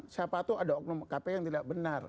siapa itu ada hukuman kpk yang tidak benar